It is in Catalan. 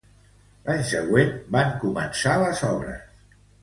L'any següent, van començar les obres.